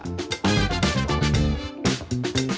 kedua penyelenggaraan pembayaran digital